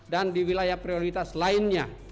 di wilayah prioritas lainnya